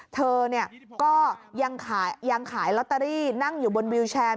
เธอก็ยังขายลอตเตอรี่นั่งอยู่บนวิวแชร์